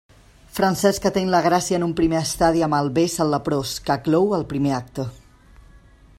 Francesc ateny la gràcia en un primer estadi amb el bes al leprós que clou el primer acte.